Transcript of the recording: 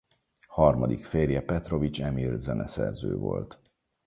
Harmadik férje Petrovics Emil zeneszerző volt.